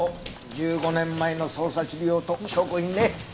１５年前の捜査資料と証拠品ね。